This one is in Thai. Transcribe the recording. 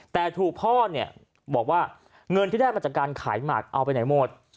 แต่ถูกพ่อเนี่ยบอกว่าเงินที่ได้มาจากการขายหมักเอาไปไหนหมด